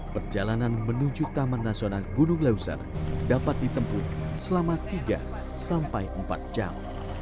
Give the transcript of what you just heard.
perjalanan menuju taman nasional gunung leuser dapat ditempuh selama tiga sampai empat jam